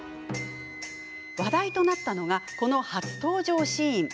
話題となったのがこの初登場シーン。